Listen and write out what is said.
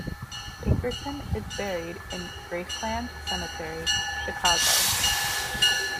Pinkerton is buried in Graceland Cemetery, Chicago.